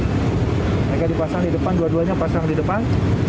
mereka dipasang di depan dua duanya pasang di depan